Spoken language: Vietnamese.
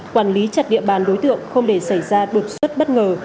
quản lý chặt địa bàn đối tượng không để xảy ra đột xuất bất ngờ